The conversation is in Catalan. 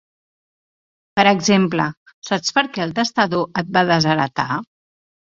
Per exemple, saps per què el testador et va desheretar?